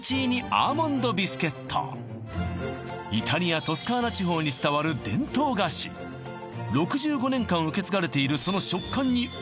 イタリアトスカーナ地方に伝わる伝統菓子６５年間受け継がれている